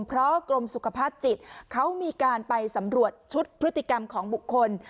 เพราะกรมสุขภาพจิตเขามีการไปสำรวจชุดพฤติกรรมของบุคคล